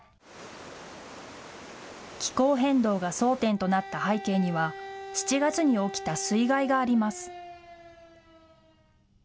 気候変動が争点となった背景には、７月に起きた水害があります。